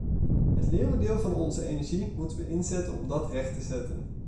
Het leeuwendeel van onze energie moeten we inzetten om dat recht te zetten.